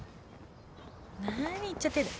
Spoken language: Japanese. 何言っちゃってんだ。